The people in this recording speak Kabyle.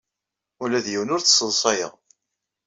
Ula d yiwen ur t-sseḍsayeɣ.